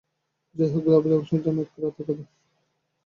যাই হোক, যা বলছিলাম-এক রাতের কথা।